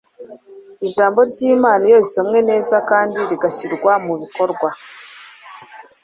Ijambo ry'Imana iyo risomwe neza kandi rigashyimva mu bikorwa,